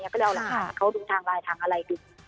ก็เลยเอารายหมายเขาดูฐางรายทางอะไรดิ